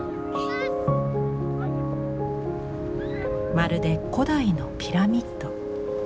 まるで古代のピラミッド。